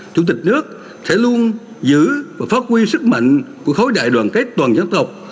chủ tịch nước sẽ luôn giữ và phát huy sức mạnh của khối đại đoàn kết toàn dân tộc